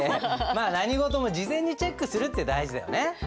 何事も事前にチェックするって大事だよね。